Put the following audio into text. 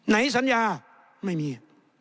ไหนสัญญาะไม่มี